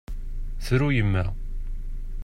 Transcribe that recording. Tru yemma.